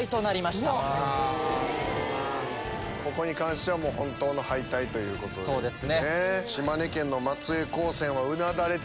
ここに関しては本当の敗退ということですね。